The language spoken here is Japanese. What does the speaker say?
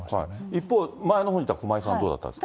一方、前のほうにいた駒井さんはどうだったんですか。